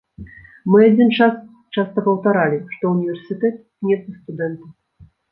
Мы адзін час часта паўтаралі, што ўніверсітэт не для студэнтаў.